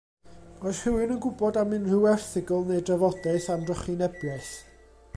Oes rhywun yn gwybod am unrhyw erthygl neu drafodaeth am drychinebiaeth?